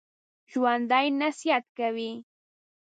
ژوندي نصیحت کوي